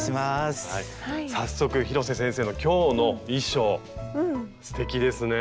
早速広瀬先生の今日の衣装すてきですね。